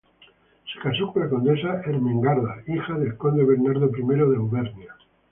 Se casó con la condesa Ermengarda, hija del conde Bernardo I de Auvernia.